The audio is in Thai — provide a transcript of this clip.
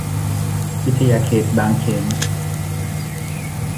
วิทยาเขตบางเขน